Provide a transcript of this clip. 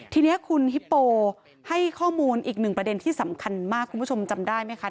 ทีนี้คุณฮิปโปให้ข้อมูลอีกหนึ่งประเด็นที่สำคัญมากคุณผู้ชมจำได้ไหมคะ